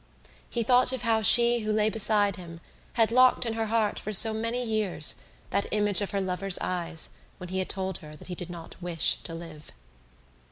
He thought of how she who lay beside him had locked in her heart for so many years that image of her lover's eyes when he had told her that he did not wish to live.